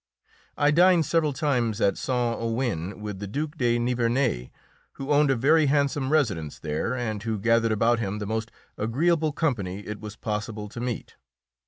I dined several times at Saint Ouen, with the Duke de Nivernais, who owned a very handsome residence there, and who gathered about him the most agreeable company it was possible to meet.